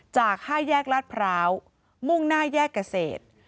จาก๕แยกลาดพร้าวมุ่งหน้าแยกเกษตร